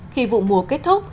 khi vụ mùa kết thúc